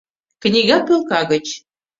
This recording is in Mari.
Книга пӧлка гыч.